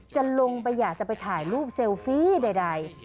จะลงไปอยากจะไปถ่ายรูปเซลฟี่ใด